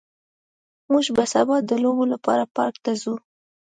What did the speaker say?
موږ به سبا د لوبو لپاره پارک ته ځو